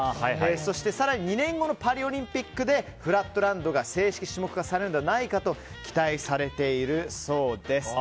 そして、更に２年後のパリオリンピックでフラットランドが正式種目化されるのではないかと期待されているそうです。